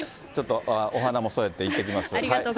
ちょっとお花も添えていってきます。